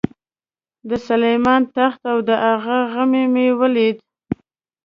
د سلیمان تخت او د هغه غمی مې ولید.